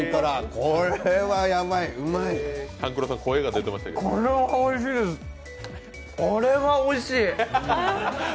これはおいしいです、これはおいしい。